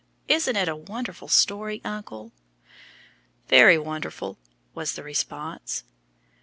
Isn't it a wonderful story, uncle?" "Very wonderful," was the response.